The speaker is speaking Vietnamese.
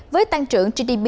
với tăng trưởng gdp